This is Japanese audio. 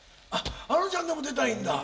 ａｎｏちゃんでも出たいんだ。